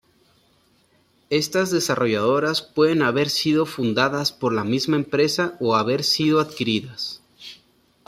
Estas desarrolladoras pueden haber sido fundadas por la misma empresa o haber sido adquiridas.